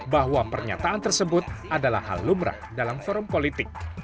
bahwa pernyataan tersebut adalah hal lumrah dalam forum politik